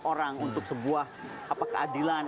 orang untuk sebuah keadilan